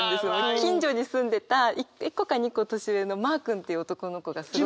近所に住んでた１個か２個年上のマー君っていう男の子がすごく。